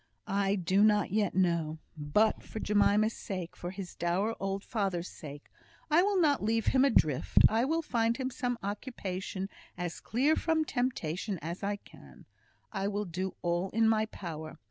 "I do not yet know. But, for Jemima's sake for his dear old father's sake I will not leave him adrift. I will find him some occupation as clear from temptation as I can. I will do all in my power.